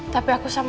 tapi aku sama clara